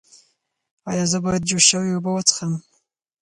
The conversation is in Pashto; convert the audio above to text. ایا زه باید جوش شوې اوبه وڅښم؟